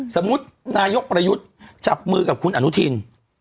สมมุตินายกประยุทธจับมือกับอันทุษฎี